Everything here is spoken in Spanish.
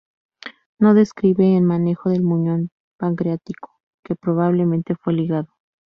No describe en manejo del muñón pancreático, que probablemente fue ligado.